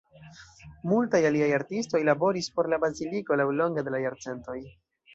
Multaj aliaj artistoj laboris por la baziliko laŭlonge de la jarcentoj.